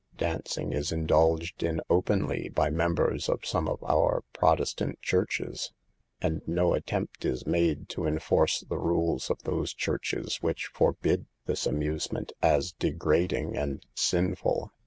Dancing is indulged in openly by members of some of our Protes tant churches, and no attempt is made to en force the rules of those churches which forbid this amusement as degrading and sinful.